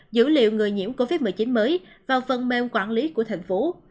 dữ liệu người nhiễm covid một mươi chín mới vào phần mềm quản lý của thành phố